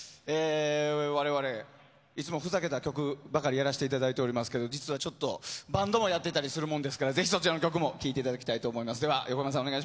われわれ、いつもふざけた曲ばかりやらせていただいておりますけれども、実はちょっと、バンドもやってたりするもんですから、ぜひそちらの曲も聴いていただきたいと思います。